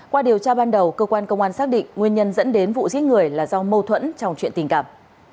qua điều tra ban đầu cơ quan công an xác định nguyên nhân dẫn đến vụ giết người là do mâu thuẫn trong chuyện tình cảm